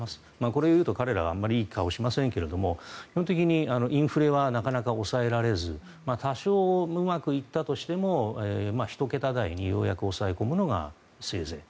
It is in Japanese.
これを言うと彼らはあまりいい顔をしませんが基本的にインフレはなかなか抑えられず多少うまくいったとしても１桁台にようやく抑え込むのがせいぜい。